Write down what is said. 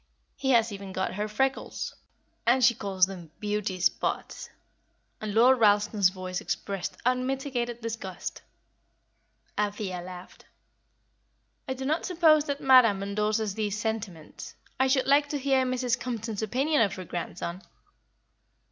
He has even got her freckles; and she calls them beauty spots;" and Lord Ralston's voice expressed unmitigated disgust. Althea laughed. "I do not suppose that Madam endorses these sentiments. I should like to hear Mrs. Compton's opinion of her grandson."